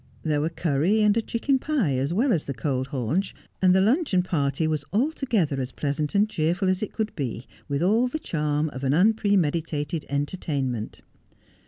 There were curry and a chicken pie, as well as the cold haunch, and the luncheon party was altogether as pleasant and cheerful as it could be — with all the charm of an unpremeditated entertainment.